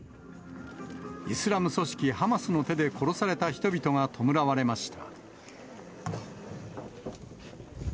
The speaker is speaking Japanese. イスラム組織ハマスの手で殺された人々が弔われました。